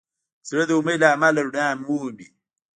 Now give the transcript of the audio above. زړه د امید له امله رڼا مومي.